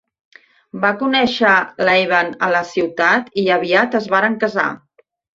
Va conèixer Laven a la ciutat i aviat es varen casar.